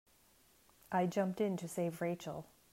I jumped in to save Rachel.